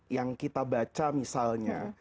yang kita baca misalnya